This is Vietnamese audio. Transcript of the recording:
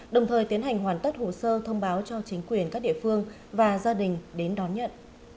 đồng thời tiến hành hoàn tất hồ sơ thông báo cho chính quyền các địa phương và gia đình đến đón nhận